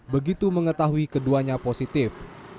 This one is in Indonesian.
begitu mengetahui keduanya positif